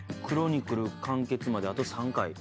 『クロニクル』完結まであと３回。